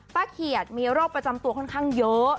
เขียดมีโรคประจำตัวค่อนข้างเยอะ